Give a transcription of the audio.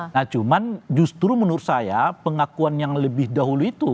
nah cuman justru menurut saya pengakuan yang lebih dahulu itu